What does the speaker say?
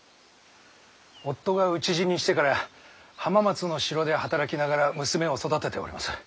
夫が討ち死にしてから浜松の城で働きながら娘を育てております。